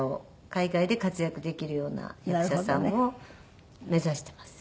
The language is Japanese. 海外で活躍できるような役者さんを目指してます。